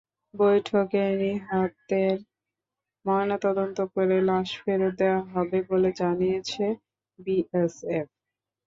বৈঠকে নিহতের ময়নাতদন্ত করে লাশ ফেরত দেওয়া হবে বলে জানিয়েছে বিএসএফ।